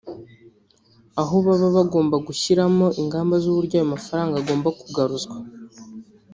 aho baba bagomba no gushyiramo ingamba z’uburyo ayo mafaranga agomba kugaruzwa